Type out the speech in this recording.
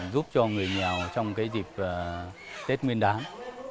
giúp cho người nghèo trong dịp tết nguyên đáng